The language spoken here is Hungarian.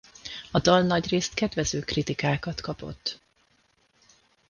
A dal nagyrészt kedvező kritikákat kapott.